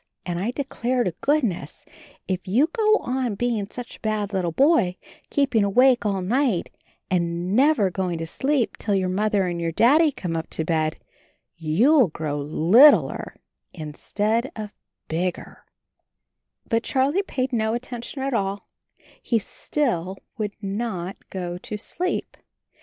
And I declare to goodness, if you go on being such a bad little boy, keeping awake all night and 80 CHARLIE never going to sleep till your Mother and your Daddy come up to bed, you will grow littler instead of bigger T But Charlie paid no attention at all — he still would not go to sleep.